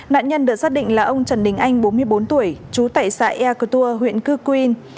nạn nhân được xác định là ông trần đình anh bốn mươi bốn tuổi trú tại xã eakutua huyện cư quyên